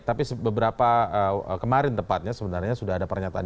tapi beberapa kemarin tepatnya sebenarnya sudah ada pernyataan